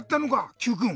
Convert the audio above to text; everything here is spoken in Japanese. Ｑくん。